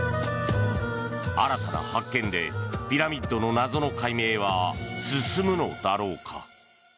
新たな発見でピラミッドの謎の解明は進むのだろうか。